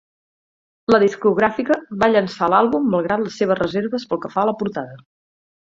La discogràfica va llançar l'àlbum malgrat les seves reserves pel que fa a la portada.